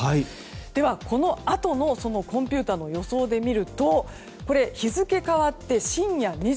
では、このあとのコンピューターの予想で見ると日付変わって深夜２時。